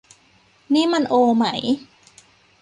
นี่มันโอไหม